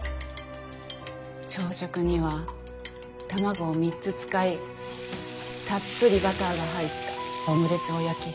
朝食には卵を３つ使いたっぷりバターが入ったオムレツを焼き。